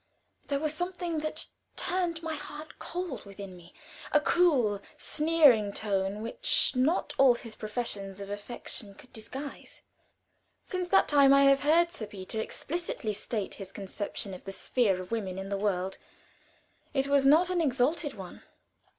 There was something that turned my heart cold within me a cool, sneering tone, which not all his professions of affection could disguise. Since that time I have heard Sir Peter explicitly state his conception of the sphere of woman in the world; it was not an exalted one.